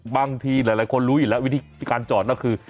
บางทีหลายคนรู้อยู่แล้ววิธีการจอดก็คือ